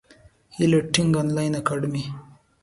هیله ټېک انلاین اکاډمي